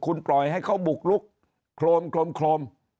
คุณปล่อยให้เขาบุกลุกโครมโครม